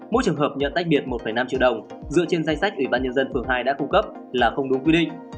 mỗi trường hợp nhận tách biệt một năm triệu đồng dựa trên danh sách ủy ban nhân dân phường hai đã cung cấp là không đúng quy định